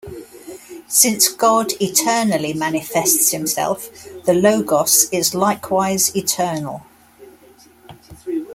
Since God eternally manifests himself, the Logos is likewise eternal.